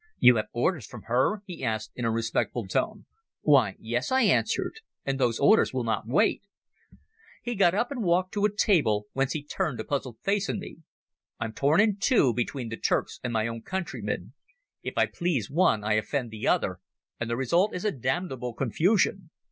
"You have orders from her?" he asked, in a respectful tone. "Why, yes," I answered, "and those orders will not wait." He got up and walked to a table, whence he turned a puzzled face on me. "I'm torn in two between the Turks and my own countrymen. If I please one I offend the other, and the result is a damnable confusion.